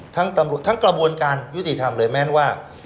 ตำรวจทั้งกระบวนการยุติธรรมเลยแม้ว่า